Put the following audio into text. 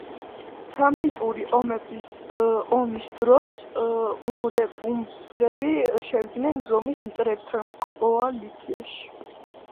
სამნიტური ომების ომის დროს უმბრები შევიდნენ რომის მტრებთან კოალიციაში.